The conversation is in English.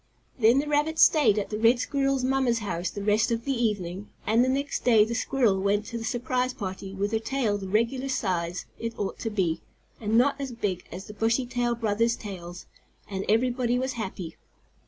Then the rabbit stayed at the red squirrel's mamma's house the rest of the evening, and the next day the squirrel went to the surprise party with her tail the regular size it ought to be, and not as big as the Bushytail brothers' tails, and everybody was happy.